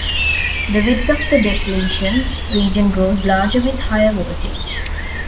The width of the depletion region grows larger with higher voltage.